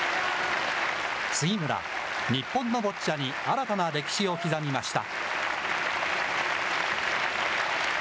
杉村、日本のボッチャに新たな歴史を刻みました。